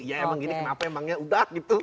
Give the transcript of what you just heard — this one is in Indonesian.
ya emang gini kenapa emangnya udah gitu